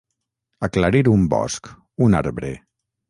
Aclarir un bosc, un arbre.